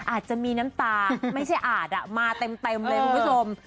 อาจจะมีน้ำตาไม่ใช่อาจมาเต็มเลยคุณผู้ชม